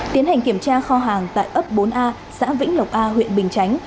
tiến hành kiểm tra kho hàng tại ấp bốn a xã vĩnh lộc a huyện bình chánh